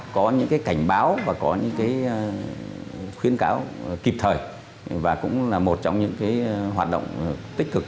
có những cảnh báo và có những khuyến cáo kịp thời và cũng là một trong những hoạt động tích cực